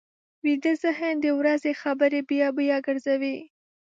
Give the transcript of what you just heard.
ویده ذهن د ورځې خبرې بیا بیا ګرځوي